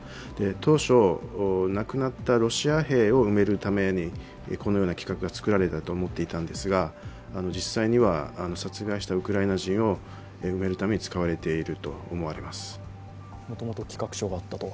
当初、亡くなったロシア兵を埋めるためにこのような企画が作られたと思っていたんですが、実際には殺害したウクライナ人を埋めるために使われていると思われます。